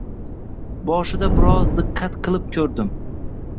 Boshida biroz diqqat qilib ko‘rdim.